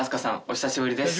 お久しぶりです。